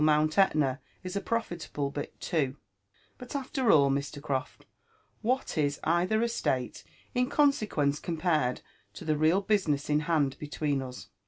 Mount Etna is a profitable bit too. But after all, Mr. Croft, what Is either estate in consequence compared to the real business in band between us?